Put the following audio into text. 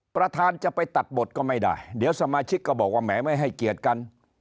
ประธานจะไปตัดบทก็ไม่ได้เดี๋ยวสมาชิกก็บอกว่าแหมไม่ให้เกียรติกัน